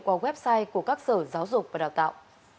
qua website của các sở giáo dục và đào tạo